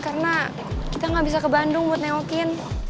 karena kita nggak bisa ke bandung buat neokin